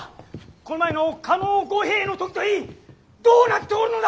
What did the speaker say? この前の加納五兵衛の時といいどうなっておるのだ！